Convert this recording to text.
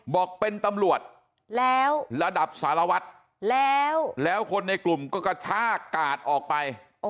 บอกเป็นตำรวจแล้วระดับสารวัตรแล้วแล้วคนในกลุ่มก็กระชากกาดออกไป